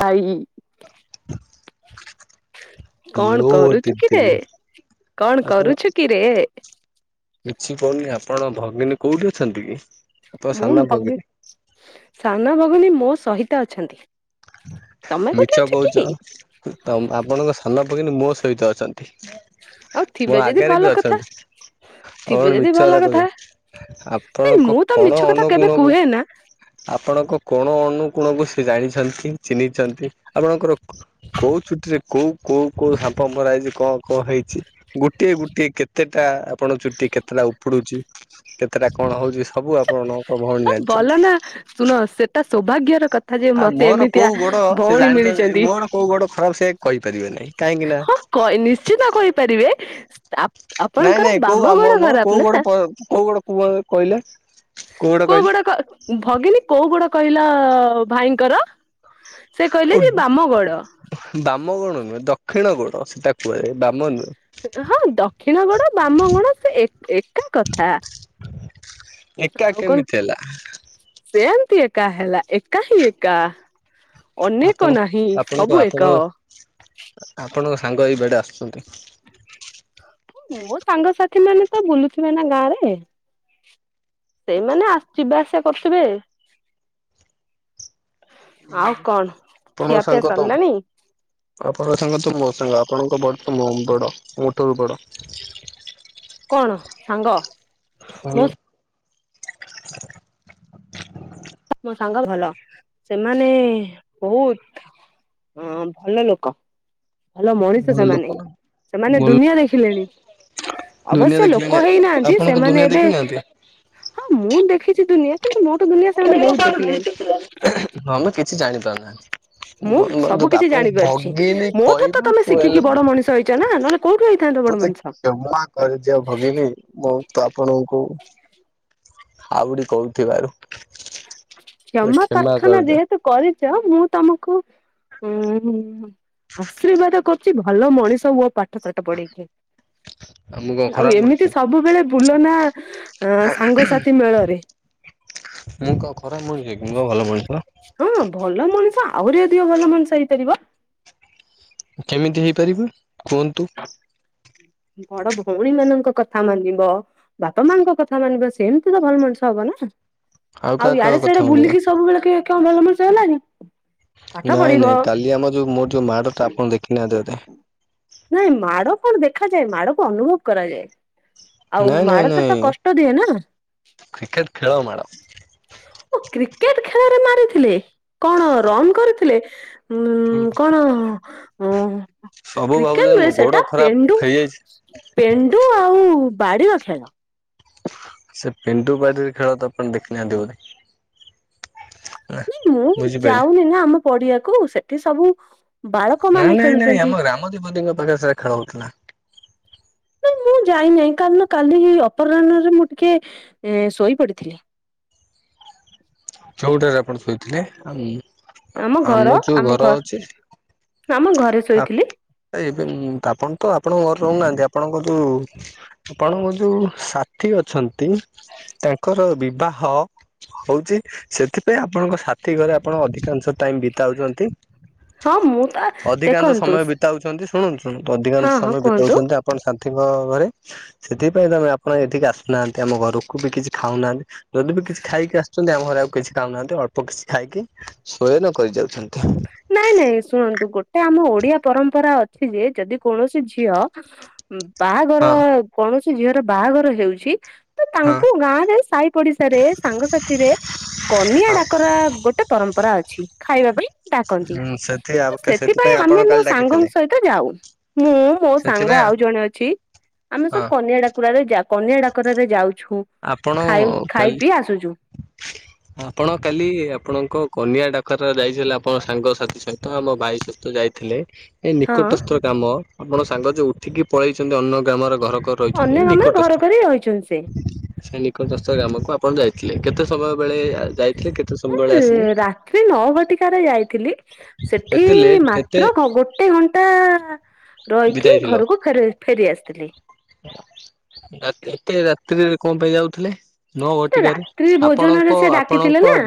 ଭାଇ, ହ୍ୟାଲୋ କଣ କରୁଛୁ ଦିଦି କିରେ, କଣ ଆପଣ କରୁଛୁ କିରେ? କିଛି କହୁନି ଆପଣ ଭଗିନୀ କୋଉଠି ଅଛନ୍ତି କି? ଆପଣ ମୁଁ ସାନ ଭଗି ଭଗିନୀ ସାନ ଭଗ ଇନୀ ମୋ ସହିତ ଅଛନ୍ତି। ତମେ କୋଉଠି ମିଛ ଅଛ କହୁଛ କି? ତ ଆପଣଙ୍କ ସାନ ଭଗିନୀ ମୋ ସହିତ ଅଛନ୍ତି। ଆଉ ଥିବେ ମୋ ଯଦି ଆଗରେ ଭଲ ବି କଥା ଅଛନ୍ତି। ଥିବେ ଆପଣ ଯଦି ମିଛ ଭଲ କଥା କହୁଛନ୍ତି। ନାଇଁ ଆପଣଙ୍କ ମୁଁ ତ ମିଛ କଣ କଥା କେବେ ଅନୁକୋଣକୁ କୁହେ ନା ଆପଣଙ୍କ କୋଣ ଅନୁକୋଣକୁ ସେ ଜାଣିଛନ୍ତି, ଚିହ୍ନିଛନ୍ତି। ଆପଣଙ୍କର କୋ କୋଉ ଚୁଟିରେ କୋଉ କୋଉ କୋଉ ଶାମ୍ପୋ ମରା ହେଇଛି କଣ କଣ ହେଇଛି ଗୋଟିଏ ଗୋଟିଏ କେତେଟା ଆପଣ ଚୁଟି କେତେଟା ଉପୁଡୁଛି କେ ଏଟା କଣ ହଉଛି? ସବୁ ଆପଣଙ୍କ ଭଉଣୀ ହଁ ଭଲ ଜାଣିଛନ୍ତି। ନା ଶୁଣ ସେଟା ସୌଭାଗ୍ୟ ର କଥା ଯେ ଆଉ ମତେ ମୋର ଏମିତିଆ କୋଉ ଗୋଡ ସେ ଭଉଣୀ ଜାଣିଛନ୍ତି ମିଳିଛନ୍ତି ମୋର କୋଉ ଗୋଡ ଖରାପ ସେ କହିପାରିବେ ନାହିଁ କାହିଁକି ନା ହଁ ନିଶ୍ଚିତ କହିପାରିବେ। ଆ ନାଇଁ ଆପଣଙ୍କର ନାଇଁ କୋଉ ବାମ ଆମ ଗୋଡ ମୋର ଖରାପ କୋଉ ନା ଗୋଟେ କୋଉ ଗୋଟେ କ କହିଲେ କୋଉ ଗୋଡ କୋଉଁ କହିଲେ ଗୋଡା ଭଗିନୀ କୋଉଁ । କୋଟ କହିଲ ଭାଇଙ୍କର। ସେ ଓ କହିଲେ ଯେ ବାମଗଡ। ବାମ ଗୋଡ ନୁହେଁ ଦକ୍ଷିଣ ଗୋଡ଼ ସେଟା କୁହାଏ ବାମ ନୁହେଁ। ହଁ ଦକ୍ଷିଣ ଗୋଡ଼ ବାମ ଗୋଡ଼ ସେ ଏକା କଥା। ହ ଏକା ଆଉ କଣ କେମିତି ହେଲା? [unintelligible] ଏକା ହେଲା ଏକା ହିଁ ଏକା। ଅନେକ ଆପଣ ନାହିଁ ସବୁ ଆପଣଙ୍କୁ ଏକ। ଆପଣ ଆପଣ ସାଙ୍ଗ ହେଇ ବେଡ଼େ ଆସୁଛନ୍ତି। ସାଥି ମାନେ ତ ବୁଲୁଥିବେ ନା ଗାଁ ରେ। ସେଇମାନେ ଯିବା ଆସିବା କରୁଥିବେ। ଆଉ କଣ? ଆପଣ ଖିଆପିଆ ସାଙ୍ଗ ତ ସରିଲାଣି ଆପଣ ସାଙ୍ଗ ତ ମୋ ସାଙ୍ଗ। ଆପଣଙ୍କ ବଡି ତ ବହୁତ୍ ବଡ଼, ମୋ ଠାରୁ ବଡ଼। କଣ ସାଙ୍ଗ ମୁଁ ହଁ ମୋ ସାଙ୍ଗ ଭଲ। ସେମାନେ ବହୁତ ଅ ଭଲ ଲୋକ। ଭଲ ମଣିଷ ଲୋକ ସେମାନେ ନା ସେମାନେ ଭଲ ଦୁନିଆ ଦେଖିଲେଣି ଦୁନିଆ ଅବଶ୍ୟ ଦେଖିଲେଣି ଲୋକ ହେଇନାହାନ୍ତି ଆପଣଙ୍କ ସେମାନେ ଦୁନିଆ ଏବେ ଦେଖି ନାହାନ୍ତି ହଁ ମୁଁ ଦେଖିଚି ଦୁନିଆ। କିନ୍ତୁ ଦୁନିଆ ସେମାନେ ବହୁତ [unintelligible] ଦେଖିଲେଣି। ତମେ କିଛି ଜାଣିପାରୁନା। [unintelligible] ମୁଁ ସବୁ କିଛି ଆପଣଙ୍କୁ ଜାଣିପାରୁଛି। ଭଗିନୀ ମୋଠୁ ତ ତମେ କହିବାକୁ ଶିଖିକି ହେଲେ ବଡ ମଣିଷ ହେଇଛ ନା ନହେଲେ କୋଉଠୁ ହେଇଥାନ୍ତ ବଡ ମତେ ମଣିଷ। କ୍ଷମା କରିଦିଅ ଭଗିନୀ। ମୁଁ ତ ଆପଣଙ୍କୁ ଆଉ ଗୋଟେ କହୁଥିବାରୁ ମତେ କ୍ଷମା କ୍ଷମାପ୍ରାର୍ଥନା କରିଦିଅ। ଯେହେତୁ କରିଚ ମୁଁ ତମକୁ ଉଁ-ଆଶୀର୍ବାଦ କରୁଚି ଭଲ ମଣିଷ ହୁଅ ପା ପାଠସାଠ ପଡିକି ମୁଁ କଣ ଆଉ ଖରାପ ମଣିଷ ଏମିତି ସବୁବେଳେ ବୁଲ ନା ଅଁ-ସାଙ୍ଗସାଥି ମେଳରେ? ମୁଁ କଣ ଖରାପ ମଣିଷ କି ମୁଁ ପା ଭଲ ମଣିଷ। ହଁ ଭଲ ମ ମଣିଷ ଆହୁରି ଅଧିକ ଭଲ ମଣିଷ ହେଇପାରିବ। କେମିତି ହେଇପାରିବ କୁହନ୍ତୁ? ବଡ ଭୋଉଣୀ ମାନଙ୍କ କଥା ମାନିବ, ବାପା ମାଙ୍କ କଥା ମାନିବ ସେମତି ତ ଭଲ ମଣିଷ ହବ ନା। କାହା ଆଉ କାହା ୟାଡେ କଥା ସ୍ୟାଡେ ମାନିବା ବୁଲିକି ସବୁବେଳେ କିଏ କଣ କଣ ଭଲ ମଣିଷ ହେଲାଣି। ନାଇଁ ନାଇଁ କାଲି ଆମ ଯୋଉ ମୋର ଯୋଉ ମାଡଟା ଆପଣ ଦେଖିନାହାନ୍ତି ବୋଧେ। ନାଇଁ ମାଡ କଣ ଦେଖାଯାଏ ମାଡକୁ ଅନୁଭବ କରାଯାଏ। ଆଉ ନାଇଁ ନାଇଁ ମାଡଟା ନାଇଁ ତ କଷ୍ଟ ଦିଏ ନା [unintelligible] କ୍ରିକେଟ ଖେଳ ମାଡ ଓ କ୍ରିକେଟ୍ ଖେଳାରେ ମାରିଥିଲେ। କଣ ରନ୍ କରିଥିଲେ? ଉଁ କଣ? ହଁ। ସବୁ କ୍ରିକେଟ ଭାବୁଛନ୍ତି ମୋ ନୁହେଁ ଗୋଡ ସେଟା ଖରାପ ପେଣ୍ଡୁ ହେଇଯାଇଛି। ପେଣ୍ଡୁ ଆଉ ବାଡି ର ଖେଳ ସେ ପେଣ୍ଡୁ ବାଡ଼ିରେ ଖେଳ ତ ଆପଣ ଦେଖି ନିିହାନ୍ତି ବଧେ ନାଇଁ ମୁଁ ଯାଉନି ନା ଆମ ପଡିଆକୁ ସେଠି ସବୁ ବାଳକ ନାଇଁ ମାନେ ନାଇଁ ନାଇଁ ଖେଳୁଛନ୍ତି ଆମ ଗ୍ରାମ ଦେବତିଙ୍କ ପାଖରେ ସାରା ଖେଳ ହଉଥିଲା। ମୁଁ ଯାଇନାହିଁ କାରଣ କାଲି ଅପରାହ୍ନରେ ମୁଁ ଟିକେ ଶୋଇ ପଡିଥିଲି। ଚଉଟରେ ଆପଣ ଶୋଇଥିଲେ ଉଁ ଆମ ଯୋଉ ଘର ଅଛି ଆମ ଘରେ ଶୋଇଥିଲି ଆପ୍ ଏବେ ଆପଣ ତ ଆପଣଙ୍କ ଘରେ ରହୁନାହାନ୍ତି ଆପଣଙ୍କ ହୁଁ ଆପଣଙ୍କ ଯୋଉ ସାଥିୀ ଅଛନ୍ତି ତାଙ୍କର ବିବାହ ହଉଚି ସେଥିପାଇଁ ଆପଣଙ୍କ ସାଥି ଥି ଘରେ ଆପଣ ଅଧିକାଂଶ ଟାଇମ ବିତାଉଚନ୍ତି ହଁ ମୁଁ ତ ଅଧିକାଂଶ ଦେଖନ୍ତୁ ସମୟ ବିତାଉଚନ୍ତି। ହୁଁ। ହୁଁ ଅଧିକାଂଶ ହଁ ହଁ ସମୟ କୁହନ୍ତୁ ବିତାଉଛନ୍ତି ଆପଣ ସାଥିଙ୍କ ଘରେ ସେଥିପାଇଁ ତମେ ଆପଣ ଏଠିକି ଆସୁନାହାନ୍ତି ଆମ ଘରକୁ ବି କିଛି ଖାଉନାହାନ୍ତି ଯଦି ବି କିଛି ଖାଇକି ଆସିୁଛନ୍ତି ଆ ଘରେ ଆଉ କିଛି ଖାଉନାହାନ୍ତି ଅଳ୍ପ କିଛି ଖାଇକି ସ୍ଵୟନ କରି ଯାଉଛନ୍ତି। ନାଇଁ ନାଇଁ ଶୁଣନ୍ତୁ ଗୋଟ ଗୋଟେ ଆମ ଓଡିଆ ପରମ୍ପରା ଅଛି ଯେ ଯଦି କୌଣସି ଝିଅ ବାହାଘର ହଁ କଣ ଝିଅର ବାହାଘର ହେଉଛି। ତ ହଁ ତାଙ୍କୁ ଗାଁ ରେ ସାହି ପଡିଶା ରେ ସାଙ୍ଗସାଥିରେ କନିଆ ଡାକରା ଗୋଟେ ପରମ୍ପରା ଅ [inaudible] ଖାଇବା ପାଇଁ ଡାକନ୍ତି ସେଥି ସେଥିପାଇଁ ଆପଣ ଆମେ ମୋ କାଲି ଡାକିଥିଲେ ସାଙ୍ଗଙ୍କ ସହିତ ଯାଉ ମୁଁ ମୋ ସାଙ୍ଗ ସେଥିପାଇଁ ଆଉ ଜଣେ ଅଛି ଆମେ ହଁ ସବୁ କନ୍ୟିା ଡାକୁରାରେ ଯାଉ କନ୍ୟା ଡାକରରେ ଯାଉଛୁ ଆପଣ ଖାଇ ଖାଇ କାଲି ପିଇ ଆସୁଛୁ ଆପଣ କାଲି ଆପଣଙ୍କ କ ନିଆଁ ଡାକରା ଯାଇଥିଲେ ଆପଣ ସାଙ୍ଗସାଥି ସହିତ ଆମ ଭାଇ ସହିତ ଯାଇଥିଲେ ଏ ହଁ ନିକଟସ୍ଥ କାମ ଆପଣ ସାଙ୍ଗ ଯୋଉ ଉଠିକି ପଳେଇଛନ୍ତି ଅନ୍ୟ ଗ୍ରାମର ଘର କରି ରହିଛନ୍ତି ଏଇ ଅନ୍ୟ ଗ୍ରାମରେ ନିକଟସ୍ଥ। ଘର କରି ରହିଛନ୍ତି ସେ ସେ ନିକଟସ୍ଥ ଗ୍ରାମକୁ ଆପଣ ଯାଇଥିଲେ କେତେ ସମୟ ବେଳେ ଯାଇ ରାତ୍ରି ନଅ ଘଟିକାରେ ଯାଇଥିଲି ସେଠି ଏତେ ଲେଟ୍ ଏତେ ମାତ୍ର ଗ ଗୋଟେ ଘଣ୍ଟା ରହିକି ବିଦାୟ ଥିଲ। ଘରକୁ ଫେର ଫେରି ଆସିଥିଲି ରାତି ଏତେ ରାତ୍ରିରେ କଣ ପାଇଁ ଯାଉଥିଲେ [unintelligible] ଣ ମାନେ ରାତ୍ରି ଭୋଜନରେ ସେ ଡାକିଥିଲେ ନା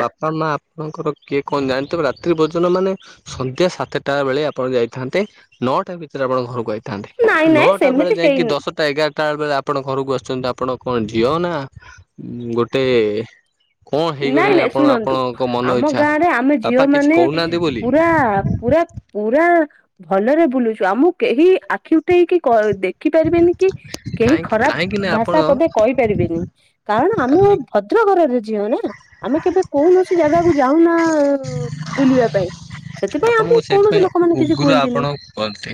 ସନ୍ଧ୍ୟା ସାତଟା ବେଳେ ଆପଣ ଯାଇଥାନ୍ତେ ନଅଟା ଭିତରେ ଆପଣ ଘରକୁ ଆଇ ଥାନ୍ତେ ନାଇଁ ନାଇଁ ନଅଟା ବେଳେ ସେମିତି ଯାଇକି ହେଇନି ଦଶଟା ଟା ବେଳେ ଆପଣ ଘରକୁ ଆସୁଛନ୍ତି ଆପଣ କଣ ଝିଅ ନା ଗୋଟେ କଣ ନାଇଁ ହେଇଗଲେଣି ନାଇଁ ଆପଣ ଶୁଣନ୍ତୁ ଆପଣଙ୍କ ମନ ଆମ ଇଚ୍ଛା। ଗାଁ ରେ ଆମେ ବାପା ଝିଅ କିଛି ମାନେ କହୁନାହାନ୍ତି ବୋଲି ପୁରା ପୁରା ପୁରା ଭଲରେ ବୁଲୁଛୁ ଆମକୁ କେହି ଆଖି ଉଠେଇକି କ ଦେଖିପାରିବେନି କି କେହି କାହିଁକି ଖରାପ କାହିଁକି ନା ଭାଷା ଆପଣ ପଦେ କହିପାରିବେନି କାରଣ ଆମ ଭଦ୍ରକରରେ ଆମେ କେବେ କୌଣସି ଜାଗାକୁ ଯାଉନା ବୁଲିବା ପାଇଁ ସେଥିପାଇଁ ଆମ ଆପଣଙ୍କୁ କୌଣସି ସେଇଥିପାଇଁ ଲୋକ ମାନ କିଛି ଉଗ୍ର କୁହନ୍ତିନି ଆପଣ କୁହନ୍ତି।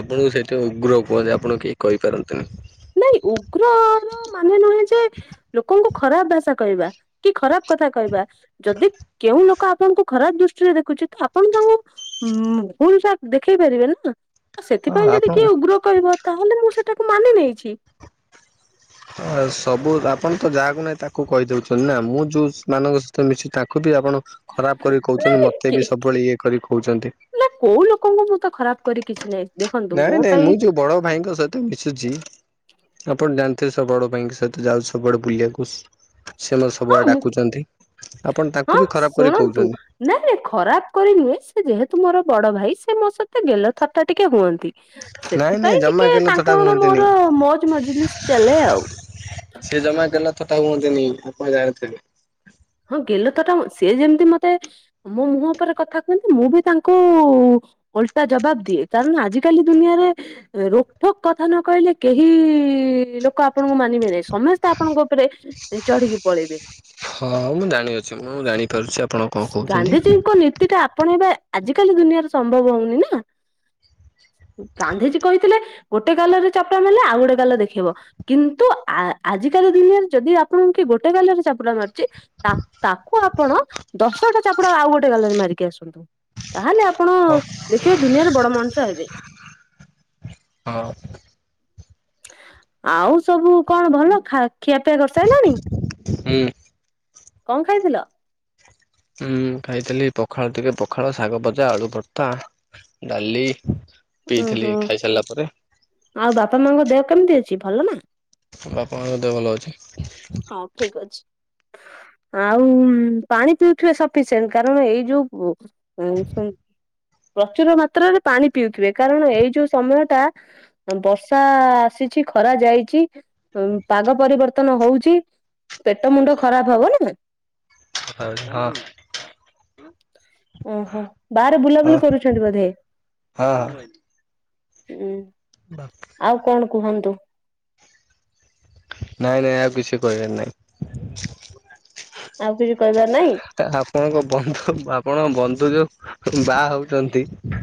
ଆପଣଙ୍କୁ ସେଇଥିପାଇଁ ଉଗ୍ର କୁହନ୍ତି ଆପଣ କେହି କହିପାରନ୍ତିନି ନାଇଁ ଉଗ୍ରର ମାନେ ନୁହେଁ ଯେ ଲୋକଙ୍କୁ ଖରାପ ଭାଷା କହିବା କି ଖରାପ କଥା କହିବା ଯଦି କେଉଁ ଲୋକ ଆପଣଙ୍କୁ ଖରାପ ଦୃଷ୍ଟିରେ ଦେଖୁଛି ତ ଆପଣ ତାଙ୍କୁ ଭୁଲ ଯା ଦେଖେଇ ପାରିବେ ନା ଆଉ ହଁ ସେଥିପାଇଁ ଯଦି ଆପଣ କିଏ ଉଗ୍ର କହିବ ତାହେଲେ ମୁଁ ସେ ତାକୁ ମାନି ନେଇ ଛି ଆ ସବୁ ଆପଣ ତ ଯାହାକୁ ନାହିଁ ତାକୁ କହିଦଉଛନ୍ତି ନା ମୁଁ ଯୋଉ ମାନଙ୍କ ସହିତ ମିଶି ତାଙ୍କୁ ବି ଆପଣ ଖରାପ କରି କହୁଛନ୍ତି ମତେ ବି ସବୁବେଳେ ଇଏ କରି କହୁଛନ୍ତି ନା କୋଉ ଲୋକଙ୍କୁ ମୁଁ ତ ଖରାପ କରି କିଛି ନାହିଁ ଦେଖନ୍ତୁ ନାଇଁ ମୋ ନାଇଁ ପାଇଁ ମୁଁ ଯୋଉ ବଡ ଭାଇଙ୍କ ସହିତ ମିଶୁଛି ଆପଣ ଜା ଏତେ ସବ ବଡ ପାଇଁଙ୍କ ସହିତ ଯାଉ ସବୁଆଡେ ବୁଲିବାକୁ ସେ ମତେ ହଁ ସବୁବେଳେ ମୁଁ ଡାକୁଛନ୍ତି ଆପଣ ତାଙ୍କୁ ହଁ ବି ଖରାପ କରି ଶୁଣନ୍ତୁ କହୁଛନ୍ତି। ନାଇ ନାଇ ଖରାପ କରି ନୁହେଁ ସେ ଯେହେତୁ ମୋର ବଡ ଭାଇ ସେ ମୋ ସହିତ ଗେଲ ଥଟା ଟିକେ ହୁଅନ୍ତି ନାଇଁ ନାଇଁ ସେଥିପାଇଁ ଜମା ଟିକେ ଗେଲ ଥଟା ତାଙ୍କର ହୁଅନ୍ତିନି। ମୋର ମଜ ମଜଲିସ ଚାଲେ ଆଉ ସେ [unintelligible] ହଁ ଗେଲ ଥଟା ସେ ଯେମିତି ମତେ ମୋ ମୁହଁ ଉପରେ କଥା କୁହନ୍ତି ମୁଁ ବି ତାଙ୍କୁ ଓଲଟା ଜବାବ ଦିଏ କାରଣ ଆଜିକାଲି ଦୁନିଆରେ ରୋକଠୋକ କଥା ନ କହିଲେ କେହି ଲୋକ ଆପଣଙ୍କୁ ମାନିବେନ ସମସ୍ତେ ଆପଣଙ୍କ ଉପରେ ଚଢିକି ପଳେଇବେ। ହଁ ମୁଁ ଜାଣିଅଛି ମୁଁ ଜାଣିପାରୁଛି। ଆପଣ କଣ କହୁଛନ୍ତି। ଗାନ୍ଧିଜୀଙ୍କ ନୀତି ଟା ଆପଣ ଏବେ ଆଜ କାଲି ଦୁନିଆରେ ସମ୍ଭବ ହଉନି ନା ଗାନ୍ଧିଜୀ କହିଥିଲେ ଗୋଟେ ଗାଲରେ ଚାପୁଡା ମାରିଲେ ଆଉ ଗୋଟେ ଗାଲରେ ଦେଖେଇବ କିନ୍ତୁ ଆଜିକାଲି ଦୁନିଆରେ ଯଦି ଆପଣ କି ଗୋଟେ ଗାଲରେ ଚାପୁଡା ମାରି ଯେ ତାକୁ ତାକୁ ଆପଣ ଦଶଟା ଚାପୁଡା ଆଉ ଗୋଟେ ଗାଲରେ ମାରିକି ଆସନ୍ତୁ । ତାହେଲେ ଆପଣ ହଁ ଦେଖିବେ ଦୁନିଆର ବଡ ମଣିଷ ହେବେ । ଆଉ ସବୁ କଣ ଭଲ ଖା ଖିଆପିଆ କରିସାରିଲଣି? ହୁଁ କଣ ଖାଇଥିଲ? ହୁଁ ଖାଇଥିଲି ପଖାଳ ଟିକେ ପଖାଳ ଶାଗ ଭଜା ଆଳୁ ଭର୍ତା ଡାଲି । ଉହୁଁ ଆଉ ବାପାମାଙ୍କ ଦେହ କେମିତି ଅଛି? ସିଏ ଭଲ ନା? ମୋ ବାପାମାଙ୍କ ଦେହ ଭଲ ଅଛି । ହଁ ଠିକ ଅଛି। ଆଉ ପାଣି ପିଉଥିବେ ସଫିସିଏଣ୍ଟ କାରଣ ଏଇ ଯୋଉ ପ୍ରଚୁର ମାତ୍ରରେ ପାଣି ପିଉଥିବେ କାରଣ ଏଇ ଯୋଉ ସମୟ ଟା ବର୍ଷା ଆସିଛି ଖରା ଯାଇଛି ପାଗ ପରିବର୍ତ୍ତ ବର୍ତ୍ତନ ହଉଛି ପେଟ ମୁଣ୍ଡ ଖରାପ ହବନା । [inaudible] ଓହୋ ବାହାରେ ବୁଲାବୁଲି କରୁଛନ୍ତି ବୋଧେ? ହୁଁ। ବାସ୍ କୁହନ୍ତୁ। ନାଇ ନାଇ ଆଉ କିଛି କହିବାର ନାହିଁ । ଆଉ କିଛି କହିବା ଆପଣଙ୍କ ବନ୍ଧୁ ଆପଣଙ୍କ ବନ୍ଧୁ ତୋ ଯୋଉ ବାହା ହଉଚନ୍ତି ।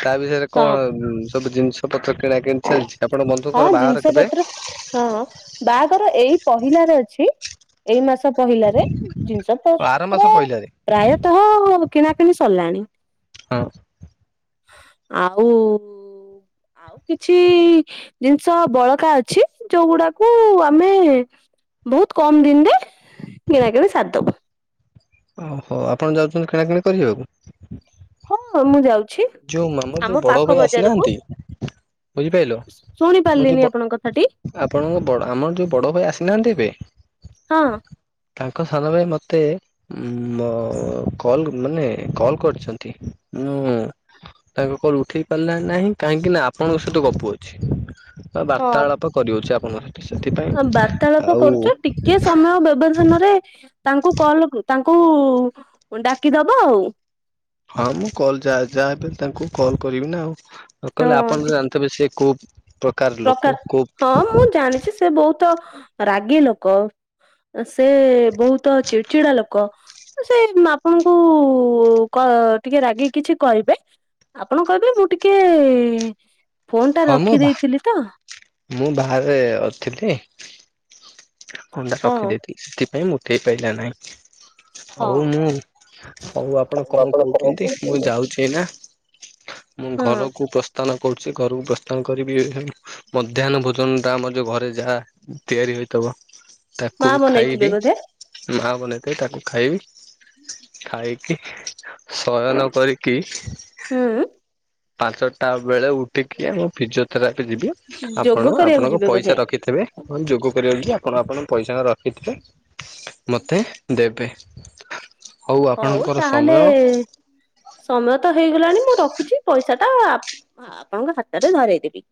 ତା ବିଷୟରେ ହଁ କଣ ସବୁ ଜିନିଷ [inaudible] କିଣାକିଣି ଚାଲିଛି ଆପଣ ହଁ ବନ୍ଧୁଙ୍କର ବାହାଘର କେବେ? ତାଙ୍କର ଏଇ ପହିଲାର ଅଛି ଏଇ ମାସ ପହିଲାରେ ଜିନିଷ ପ ଆର ମାସ ପତ୍ର ପହିଲାରେ ପ୍ରାୟତଃ କିଣାକିଣି ସ ସରିଲାଣି । ହଁ। [unintelligible] କିଛି ଜିନିଷ ବଳକା ଅଛି, ଯୋଉଗୁଡାକୁ ଆମେ ବହୁତ କମ୍ ଦିନରେ କିଣାକିଣି ସାରି ଦବୁ । ଓହୋ ଆପଣ ଯାଉଛନ୍ତି, କିଣାକିଣି କରିବାକୁ? ହଁ ମୁଁ ଯାଉଛି ଯୋଉ ମ-ମର ଯୋଉ ଆମ ବଡ ପାଖ ଭାଇ ବଜାରକୁ ଆସିନାହାନ୍ତି। ବୁଝିପାରିଲ ଶୁଣି ମୋର ବଡ ପାରିଲିନି ଯୋଉ ଆପଣଙ୍କ କଥାଟି ଆପଣଙ୍କ, ବଡ ଆମର ଯୋଉ ବଡ ଭାଇ ଆସିନାହାନ୍ତି, ଏବେ ହଁ। ତାଙ୍କ ସାନ ଭାଇ ମତେ ମୋ କଲ ମାନେ କଲ୍ କରିଛନ୍ତି। ମୁଁ ତାଙ୍କ କଲ ଉଠେଇ ପାରିଲା ନାହିଁ କାହିଁକି ନା ଆପଣଙ୍କ ସହିତ ଗପୁଅଛି । ବା ବାର୍ତ୍ତାଳାପ କରିଉଛି ଆ [unintelligible] ହଁ ବାର୍ତ୍ତାଳାପ କରୁଛ, ଟିକେ ସମୟ ବ୍ୟବଧାନରେ ତାଙ୍କୁ କଲ ଲଗ ତାଂ କୁ ଡାକିଦବ ଆଉ। ହଁ, ମୁଁ କଲ ଯା ଯାହାବି ହେଲେ ତାଙ୍କୁ କଲ କରିବି ନା ଆଉ। ଅଙ୍କଲ! ଆପଣ ହଁ ତ ଜାଣିଥିବେ ସିଏ କୋଉ ଲୋକ ପ୍ରକାର କୋଉ ହଁ, ମୁଁ ଜାଣିଛି ସେ ବହୁତ ତ ରାଗି ଲୋକ ଅ ସେ ସେ ବହୁତ ଚିଡ୍‌ ଚିଡା ଲୋକ । ସେ ମା ଆପଣଙ୍କୁ -ଉ କ ଟିକେ ରାଗିକି କିଛି କହିବେ? ଆପଣ କହିବେ ମୁଁ ଟିକେ ଫୋନ୍ ଟା ହଁ ମୁଁ ରଖି ବା ଦେଇଥିଲି। ମୁଁ ବାହାରେ ଅ ଥିଲି। ଫୋନ୍‌ଣ୍ଡା ହଁ ରଖିଦେଇଥିଲି। ସେଥିପାଇଁ ମୁଁ ହେଇପାଇଲା ନାହିଁ । ହଉ ହଁ। ମୁଁ ହଉ ଆପଣ କଣ କହୁଛନ୍ତି? ମୁଁ ଯାଉଛି ଏଇନା । ମୁଁ ହଁ ଘରକୁ ପ୍ରସ୍ଥାନ କହୁଛି ଘରକୁ ପ୍ରସ୍ଥାନ କରିବି। ଏ ହେ ମଧ୍ୟାହ୍ନ ଭୋଜନଟା ଆମର ଯୋଉ ଘରେ ଯାହା ତିଆରି ହୋଇ ତବ ମା ତାକୁ ବନେଇଥିବେ ଖାଇବି। ବୋଧେ ମାଁ ଆଉ ବନେଇଥିବେ ତାକୁ ଖାଇବି। ଖାଇକି ଶୟନ କରିକି ହୁଁ ପାଞ୍ଚଟା ଆଉ ବେଳେ ଉଠିକି ମୁଁ ଫିଜିଓଥେରାପି ଯିବି। ଯୋଗ ଆପଣ କରିବାକୁ ଆପଣଙ୍କ ଯିବେ ବୋଧେ। ପଇସା ରଖିଥିବେ, ଅଁ ଯୋଗ କରିବାକୁ ଯିବି। ଆପଣ ଆପଣଙ୍କ ପଇସା ର ଏଥିରେ ମୋତେ ଦେବେ। ହଉ, ଆପଣଙ୍କର ତାହେଲେ ସମୟ ସମୟ ତ ହେଇଗଲାଣି। ମୁଁ ରଖୁଛି ପଇସା ତ! ଆପ୍ ଆପଣଙ୍କ ହାତରେ ଧରେଇଦେବି ।